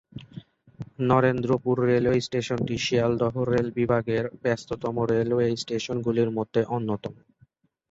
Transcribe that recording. Narendrapur railway স্টেশনটি Sealdah rail বিভাগের ব্যস্ততম রেলওয়ে স্টেশনগুলির মধ্যে অন্যতম।